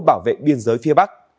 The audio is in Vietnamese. bảo vệ biên giới phía bắc